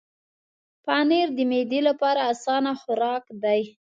پنېر د معدې لپاره اسانه خوراک دی.